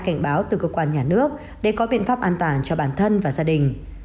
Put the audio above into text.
cảnh báo từ cơ quan nhà nước để có biện pháp an toàn cho bản thân và gia đình